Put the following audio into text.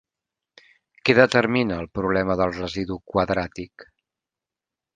Què determina el problema del residu quadràtic?